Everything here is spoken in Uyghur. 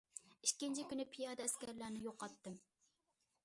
ئىككىنچى كۈنى پىيادە ئەسكەرلەرنى يوقاتتىم.